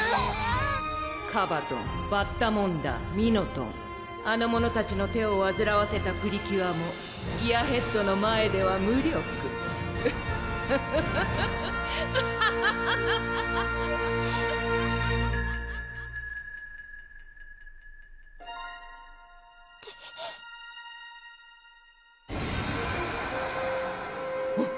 カバトンバッタモンダーミノトン・・あの者たちの手をわずらわせたプリキュアもスキアヘッドの前では無力・・フフフフフフフハハハハ・・むっ⁉